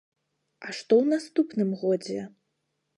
А што ў наступным годзе?